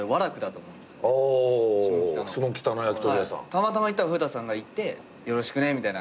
たまたま行ったら古田さんがいて「よろしくね」みたいな。